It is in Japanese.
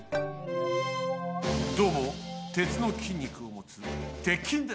どうも鉄の筋肉をもつ鉄筋です。